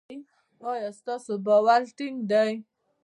ایا ستاسو باور ټینګ دی؟